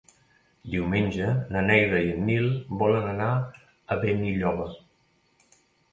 Diumenge na Neida i en Nil volen anar a Benilloba.